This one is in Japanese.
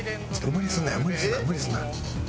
無理すんな。